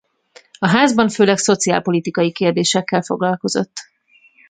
A Házban főleg szociálpolitikai kérdésekkel foglalkozott.